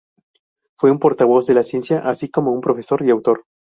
Fue un portavoz de la ciencia, así como un profesor y autor.